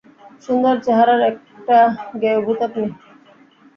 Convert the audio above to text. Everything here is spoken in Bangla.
সুন্দর চেহারার একটা গেঁয়ো ভূত আপনি।